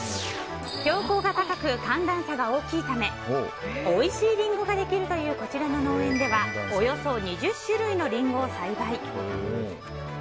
標高が高く寒暖差が大きいためおいしいりんごができるというこちらの農園ではおよそ２０種類のりんごを栽培。